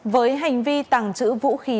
với hành vi tàng trữ vũ khí